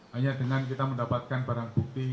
hanya dengan kita mendapatkan barang bukti